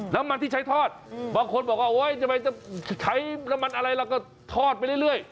น้ำมันที่ใช้ทอดบางคนบอกว่าโอ๊ยทำไมจะใช้น้ำมันอะไรแล้วก็ทอดไปเรื่อย